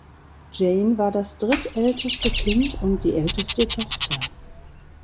Jane war das drittälteste Kind und die älteste Tochter.